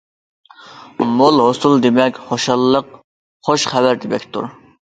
مول ھوسۇل دېمەك خۇشاللىق، خۇش خەۋەر دېمەكتۇر.